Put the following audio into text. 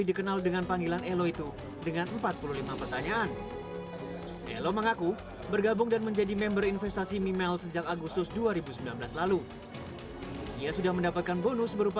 terkait dengan kaitan aplikasi may miles